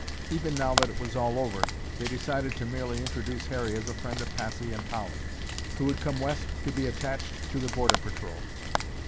Even now that it was all over, they decided to merely introduce Harry as a friend of Patsy and Polly, who had come West to be attached to the border patrol.